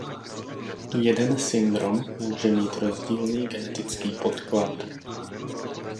Jeden syndrom může mít rozdílný genetický podklad.